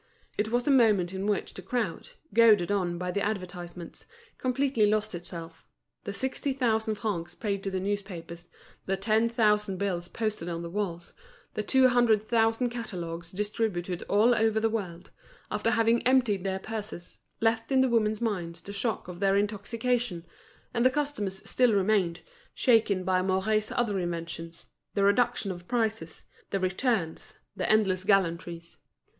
It was the moment in which the crowd, goaded on by the advertisements, completely lost itself; the sixty thousand francs paid to the newspapers, the ten thousand bills posted on the walls, the two hundred thousand catalogues distributed all over the world, after having emptied their purses, left in the women's minds the shock of their intoxication; and the customers still remained, shaken by Mouret's other inventions, the reduction of prices, the "returns," the endless gallantries.